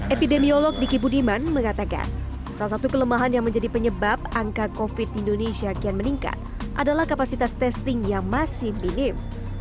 epidemiolog diki budiman mengatakan salah satu kelemahan yang menjadi penyebab angka covid di indonesia kian meningkat adalah kapasitas testing yang masih minim